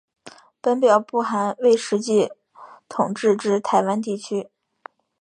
本表不含未实际统治之台湾地区。